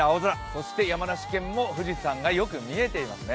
そして山梨県も富士山がよく見えていますね。